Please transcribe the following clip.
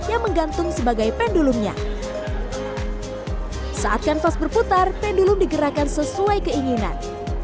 yang menggantung sebagai pendulumnya saat kanvas berputar pendulum digerakkan sesuai keinginan